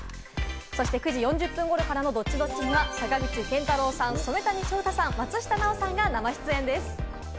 そして９時４０分頃からのＤｏｔｔｉ‐Ｄｏｔｔｉには坂口健太郎さん、染谷将太さん、松下奈緒さんが生出演です。